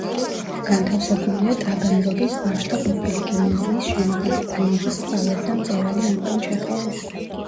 განთავსებულია ტაგანროგის ვაჟთა ყოფილი გიმნაზიის შენობაში, რომელშიც სწავლობდა მწერალი ანტონ ჩეხოვი.